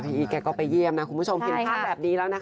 พี่อิทแกก็ไปเยี่ยมครูผู้ชมเห็นภาพแบบนี้แล้ว